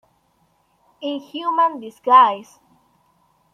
In human disguise!